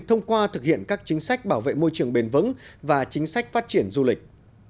thông qua thực hiện các chính sách bảo vệ môi trường bền vững và chính sách phát triển du lịch